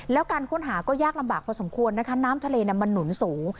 แล้วการค้นหาก็ยากลำบากพอสมควรนะคะน้ำทะเลมันหนุนสูง